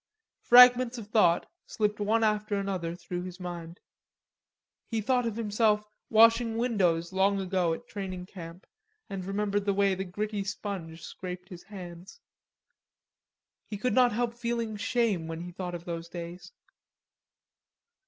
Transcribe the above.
Fragments of thought slipped one after another through his mind. He thought of himself washing windows long ago at training camp, and remembered the way the gritty sponge scraped his hands. He could not help feeling shame when he thought of those days.